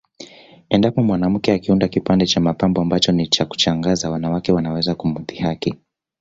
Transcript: Endapo mwanamke akiunda kipande cha mapambo ambacho ni cha kushangaza wanawake wanaweza kumdhihaki